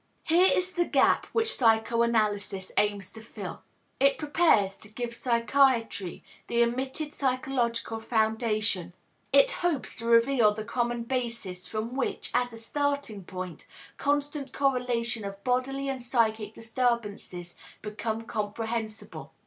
Here is the gap which psychoanalysis aims to fill. It prepares to give psychiatry the omitted psychological foundation, it hopes to reveal the common basis from which, as a starting point, constant correlation of bodily and psychic disturbances becomes comprehensible.